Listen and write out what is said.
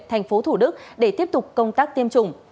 thành phố thủ đức để tiếp tục công tác tiêm chủng